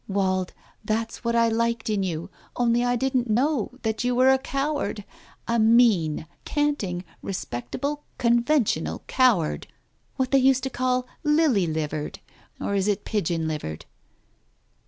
Wald, that's what I liked in you, only I didn't know that you were a coward — a mean, canting, respectable, conventional coward — what they used to call lily livered — or is it pigeon livered